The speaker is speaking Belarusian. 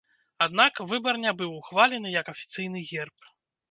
Аднак, выбар не быў ухвалены як афіцыйны герб.